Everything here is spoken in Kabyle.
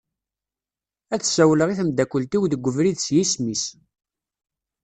Ad ssawleɣ i temdakelt-iw deg ubrid s yisem-is.